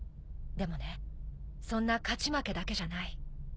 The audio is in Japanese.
でもねそんな勝ち負けだけじゃない。